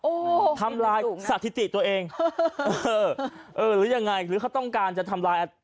โอ้โหทำลายสถิติตัวเองเออเออหรือยังไงหรือเขาต้องการจะทำลายอ่ะ